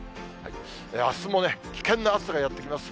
あすも危険な暑さがやって来ます。